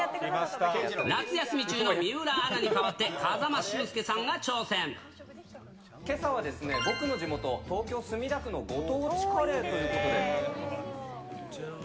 夏休み中の水卜アナに代わっけさはですね、僕の地元、東京・墨田区のご当地カレーということで。